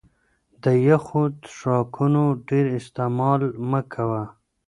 د يخو څښاکونو ډېر استعمال مه کوه